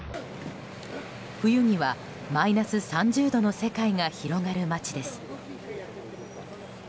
冬にはマイナス３０度の世界が広がる町です。